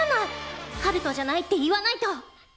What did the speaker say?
陽翔じゃないって言わないと！